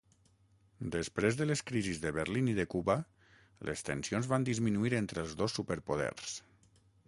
Després de les crisis de Berlín i de Cuba, les tensions van disminuir entre els dos superpoders.